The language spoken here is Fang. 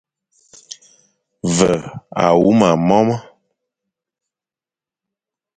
Ve a huma mome,